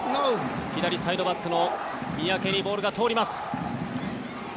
左サイドバックの三宅にボールが通ります。